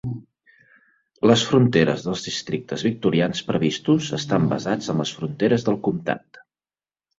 Les fronteres dels districtes victorians previstos estan basats en les fronteres del comtat.